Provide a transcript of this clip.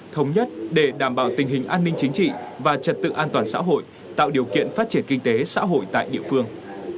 thống nhất để đảm bảo tình hình an ninh chính trị và trật tự an toàn xã hội tạo điều kiện phát triển kinh tế xã hội tại địa phương